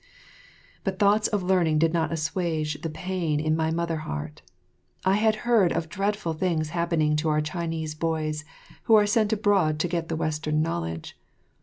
But thoughts of learning did not assuage the pain in my mother heart. I had heard of dreadful things happening to our Chinese boys who are sent abroad to get the Western knowledge.